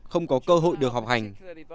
không có cơ hội được họp hành